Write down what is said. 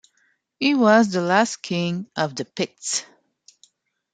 He was the last king of the Picts.